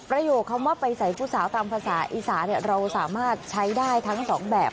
โยคคำว่าไปใส่ผู้สาวตามภาษาอีสานเราสามารถใช้ได้ทั้งสองแบบ